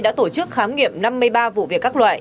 đã tổ chức khám nghiệm năm mươi ba vụ việc các loại